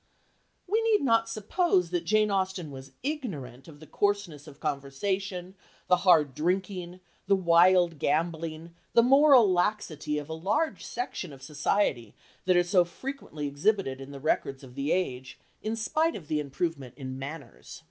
We need not suppose that Jane Austen was ignorant of the coarseness of conversation, the hard drinking, the wild gambling, the moral laxity of a large section of society that are so frequently exhibited in the records of the age, in spite of the improvement in manners.